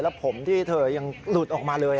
แล้วผมที่เธอยังหลุดออกมาเลย